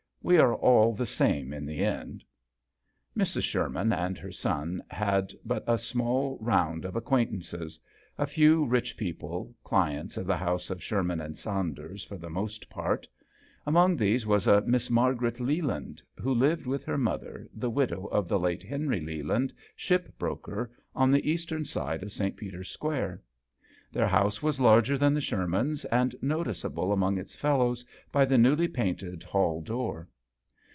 We are all the same in the end." Mrs. Sherman and her son had but a small round of acquaintances a few rich people, clients of the house of Sherman and Saunders for the most part. Among these was a Miss Margaret Leland who lived with her mother, the widow of the late Henry Leland, ship broker, on the eastern side of St. Peter's Square. Their house was larger than the Shermans, and noticeable among its fellows by the newly painted hall door.